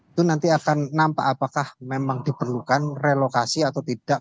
itu nanti akan nampak apakah memang diperlukan relokasi atau tidak